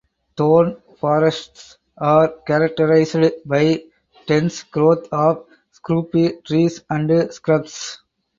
Thorn forests are characterized by dense growth of scrubby trees and shrubs.